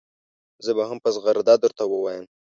زه به هم په زغرده درته ووایم.